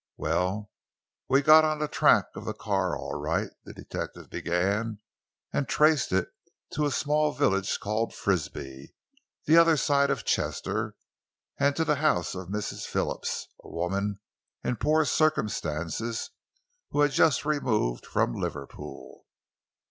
"Well, we got on the track of the car all right," the detective began, "and traced it to a small village called Frisby, the other side of Chester, and to the house of a Mrs. Phillips, a woman in poor circumstances who had just removed from Liverpool.